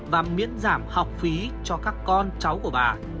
và miễn giảm học phí cho các con cháu của bà